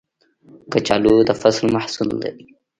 کچالو د فصل محصول دی